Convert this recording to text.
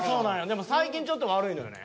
でも最近ちょっと悪いのよね。